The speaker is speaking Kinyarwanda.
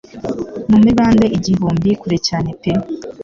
Mu mibande igihumbi kure cyane pe